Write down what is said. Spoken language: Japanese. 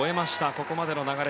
ここまでの流れ